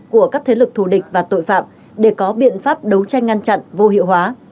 của các thế lực thù địch và tội phạm để có biện pháp đấu tranh ngăn chặn vô hiệu hóa